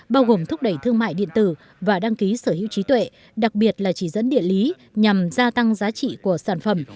bao gồm thúc đẩy thương mại điện tử và đăng ký sở hữu trí tuệ đặc biệt là chỉ dẫn địa lý nhằm gia tăng giá trị của sản phẩm